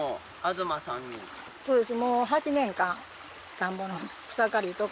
そうです。